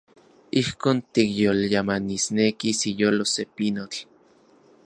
Ijkon tikyolyamanisnekis iyolo se pinotl.